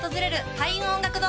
開運音楽堂